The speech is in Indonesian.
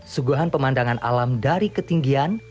suguhan pemandangan alam dari ketinggian